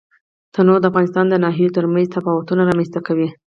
تنوع د افغانستان د ناحیو ترمنځ تفاوتونه رامنځ ته کوي.